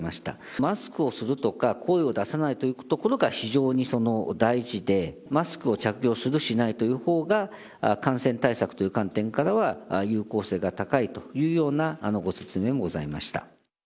マスクをするとか、声を出さないというところが非常に大事で、マスクを着用するしないというほうが、感染対策という観点からは有効性が高いというようなご説明もございました。